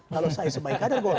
kalau saya sebaiknya ada golkar